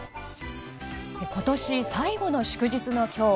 今年最後の祝日の今日